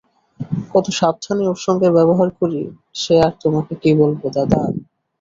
কত সাবধানে ওর সঙ্গে ব্যবহার করি সে আর তোমাকে কী বলব দাদা।